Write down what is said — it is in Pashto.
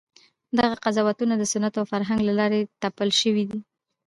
دغه قضاوتونه د سنت او فرهنګ له لارې تپل شوي دي.